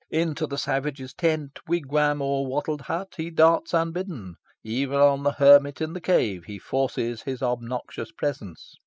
Into the savage's tent, wigwam, or wattled hut, he darts unbidden. Even on the hermit in the cave he forces his obnoxious presence.